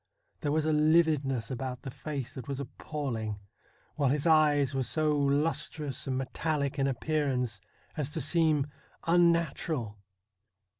There was a lividness about the face that was appalling, while his eyes were so lustrous and metallic in appearance as to seem unnatural.